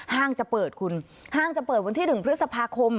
ห้างจะเปิดคุณห้างจะเปิดวันที่๑พฤษภาคม